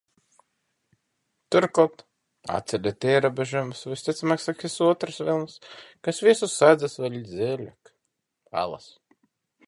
Turklāt, atceļot ierobežojumus, visticamāk, sāksies otrais vilnis, kas visus sadzīs vēl dziļāk alās.